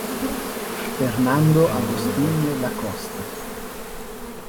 Fernando Agostinho da Costa